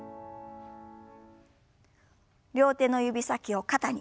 両手の指先を肩に。